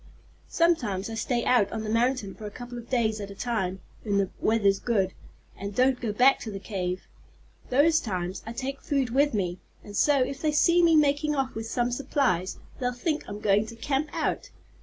Sometimes I stay out on the mountain for a couple of days at a time, when the weather's good, and don't go back to the cave. Those times I take food with me, and so if they see me making off with some supplies they'll think I'm going to camp out."